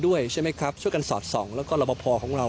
ด้วยใช่ไหมครับช่วยกันสอดส่องแล้วก็รับประพอของเรา